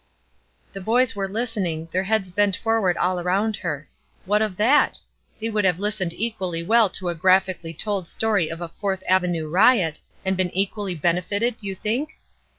The boys were listening, their heads bent forward all around her. What of that? They would have listened equally well to a graphically told story of a Fourth Avenue riot, and been equally benefited, you think?